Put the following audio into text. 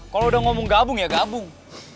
kalau udah ngomong gabung ya gabung